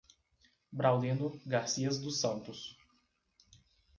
Braulino Garcias dos Santos